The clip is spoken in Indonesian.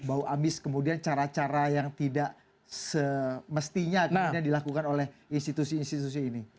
bau amis kemudian cara cara yang tidak semestinya kemudian dilakukan oleh institusi institusi ini